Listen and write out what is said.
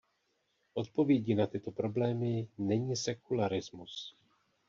Odpovědí na tyto problémy není sekularismus.